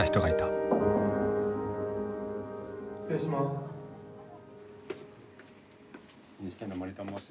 失礼します。